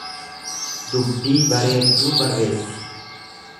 Dubbii bareedduu barreessi.